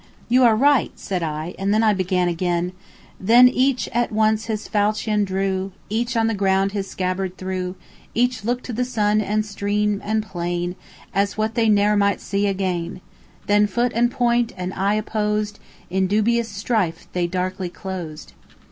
'" "You are right," said I; and then I began again: "'Then each at once his falchion drew, Each on the ground his scabbard threw, Each look'd to sun, and stream, and plain, As what they ne'er might see again; Then foot, and point, and eye opposed, In dubious strife they darkly closed.'"